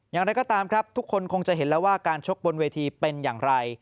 อย่างไรก็ตามครับทุกคนคงจะเห็นแล้วว่าการชกบนเวทีเป็นอย่างไร